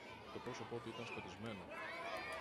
Το πρόσωπο του ήταν σκοτισμένο.